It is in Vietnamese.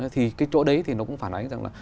thì cái chỗ đấy thì nó cũng phản ánh rằng là